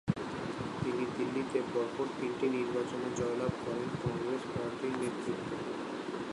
তিনি দিল্লিতে পরপর তিনটি নির্বাচনে জয়লাভ করেন কংগ্রেস পার্টির নেতৃত্বে।